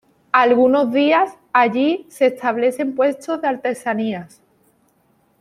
Algunos días allí se establecen puestos de artesanías.